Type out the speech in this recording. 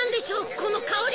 このかおり。